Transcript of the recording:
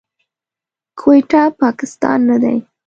کويټه، پاکستان نه دی.